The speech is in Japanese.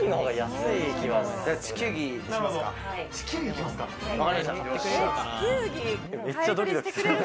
めっちゃドキドキする。